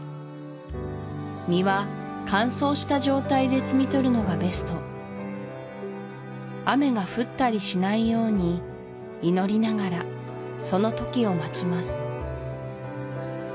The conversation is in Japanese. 実は乾燥した状態で摘み取るのがベスト雨が降ったりしないように祈りながらその時を待ちます